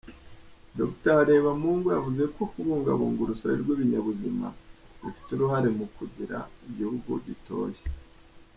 Dr Harebamungu yavuze ko kubungabunga urusobe rw’ibinyabuzima bifite uruhare mu kugira igihugu gitoshye.